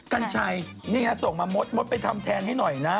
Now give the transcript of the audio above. กัญชัยนี่ไงส่งมามดมดไปทำแทนให้หน่อยนะ